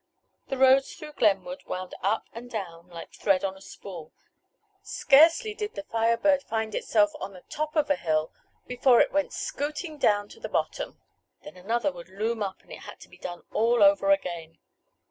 The roads through Glenwood wound up and down like thread on a spool. Scarcely did the Fire Bird find itself on the top of a hill before it went scooting down to the bottom. Then another would loom up and it had to be done all over again.